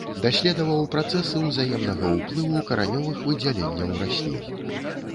Даследаваў працэсы ўзаемнага ўплыву каранёвых выдзяленняў раслін.